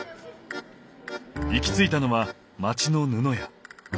行き着いたのは町の布屋。